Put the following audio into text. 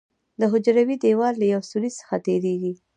د حجروي دیوال له یو سوري څخه تېریږي.